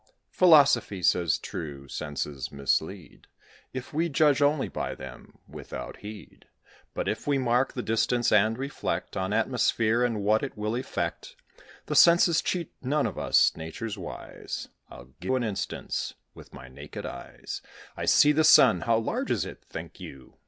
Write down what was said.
Philosophy says true, senses mislead, If we judge only by them without heed; But if we mark the distance and reflect On atmosphere and what it will effect, The senses cheat none of us; Nature's wise: I'll give an instance. With my naked eyes I see the sun; how large is it, think you?